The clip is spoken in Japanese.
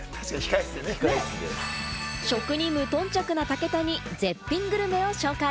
食に無頓着な武田に絶品グルメを紹介！